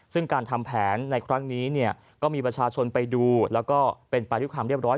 ซึ่งการทำแผนในครั้งนี้เนี่ยก็มีประชาชนไปดูแล้วก็เป็นไปด้วยความเรียบร้อย